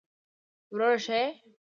وروره ښه يې!